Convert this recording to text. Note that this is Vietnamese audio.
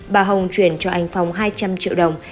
bà hồng chuyển cho anh phong hai trăm linh triệu đồng